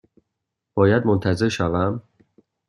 باید منتظر شوم؟